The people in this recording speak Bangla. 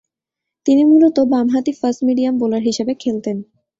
তিনি মূলতঃ বামহাতি ফাস্ট-মিডিয়াম বোলার হিসেবে খেলতেন।